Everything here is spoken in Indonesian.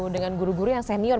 dengan guru guru yang senior